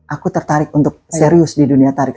aku tertarik untuk serius di dunia tarik